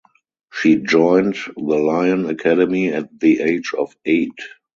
She joined the Lyon academy at the age of eight.